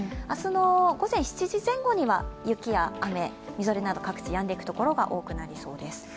明日の午前７時前後には雪や雨、みぞれなど、各地やんでいくところが多くなりそうです。